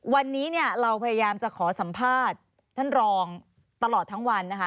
วันนี้เนี่ยเราพยายามจะขอสัมภาษณ์ท่านรองตลอดทั้งวันนะคะ